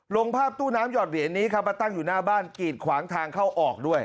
ลงภาพตู้น้ำหอดเหรียญนี้ครับมาตั้งอยู่หน้าบ้านกีดขวางทางเข้าออกด้วย